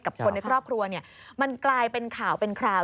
คนในครอบครัวมันกลายเป็นข่าวเป็นคราว